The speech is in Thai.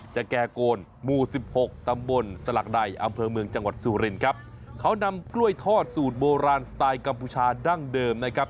แก่โกนหมู่สิบหกตำบลสลักใดอำเภอเมืองจังหวัดสุรินครับเขานำกล้วยทอดสูตรโบราณสไตล์กัมพูชาดั้งเดิมนะครับ